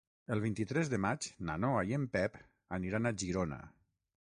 El vint-i-tres de maig na Noa i en Pep aniran a Girona.